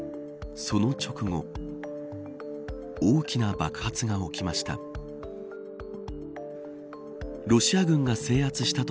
その直後大きな爆発が起きました。